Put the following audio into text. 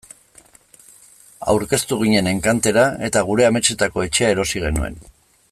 Aurkeztu ginen enkantera eta gure ametsetako etxea erosi genuen.